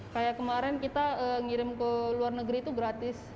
kayak kemarin kita ngirim ke luar negeri itu gratis